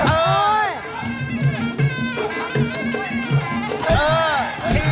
โอ๊ยโอ๊ยโอ๊ย